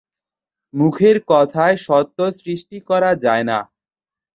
মুখের কথায় সত্য সৃষ্টি করা যায় না।